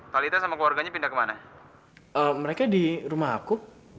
talita sama keluarganya pindah kemana mereka di rumah aku